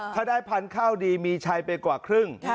ถ้าได้พันธุ์ข้าวดีมีชัยไปกว่าครึ่ง